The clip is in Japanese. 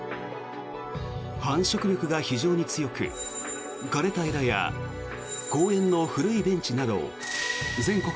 繁殖力が非常に強く枯れた枝や公園の古いベンチなど全国